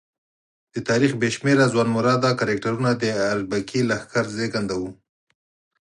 د تاریخ بې شمېره ځوانمراده کرکټرونه د اربکي لښکرو زېږنده وو.